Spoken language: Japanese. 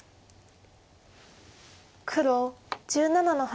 黒１７の八。